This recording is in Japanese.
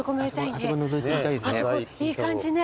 あそこいい感じね。